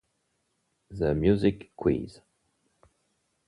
The Music Quiz".